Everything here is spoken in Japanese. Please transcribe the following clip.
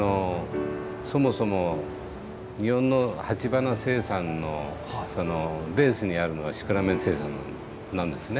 そもそも日本の鉢花生産のベースにあるのはシクラメン生産なんですね。